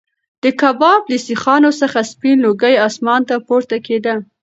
د کباب له سیخانو څخه سپین لوګی اسمان ته پورته کېده.